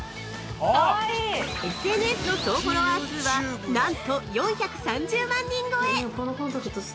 ◆ＳＮＳの総フォロワー数は、なんと４３０万人超え